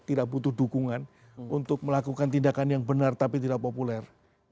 tidak butuh dukungan untuk melakukan tindakan yang benar tapi tidak populer